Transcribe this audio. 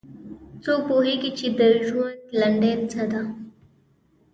څوک پوهیږي چې د ژوند لنډۍ څه ده